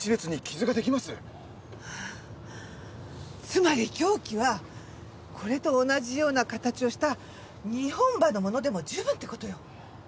つまり凶器はこれと同じような形をした２本刃のものでも十分って事よ。